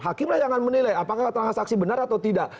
hakim lah yang akan menilai apakah transaksi benar atau tidak